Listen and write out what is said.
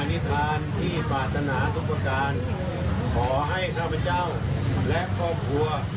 นิษฐานที่ปรารถนาทุกประการขอให้ข้าพเจ้าและครอบครัว